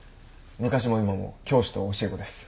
昔も今も教師と教え子です。